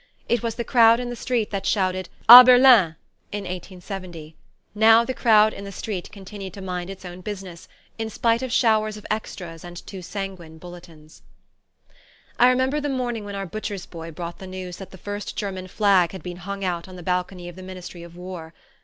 It was the crowd in the street that shouted "A Berlin!" in 1870; now the crowd in the street continued to mind its own business, in spite of showers of extras and too sanguine bulletins. I remember the morning when our butcher's boy brought the news that the first German flag had been hung out on the balcony of the Ministry of War.